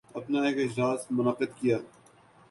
اپنا ایک اجلاس منعقد کیا